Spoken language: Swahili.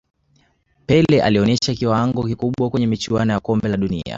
pele alionesha kiwango kikubwa kwenye michuano ya kombe la dunia